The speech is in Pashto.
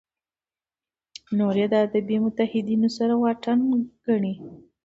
نور یې د عربي متحدینو سره واټن ګڼي.